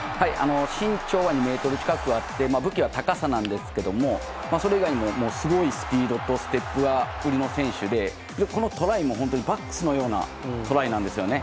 身長は２ｍ近くあって武器は高さなんですけどもそれ以外にもすごいスピードとステップが売りの選手でこのトライも本当にバックスのようなトライなんですね。